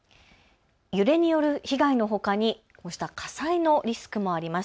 揺れによる被害のほかにこうした火災のリスクもあります。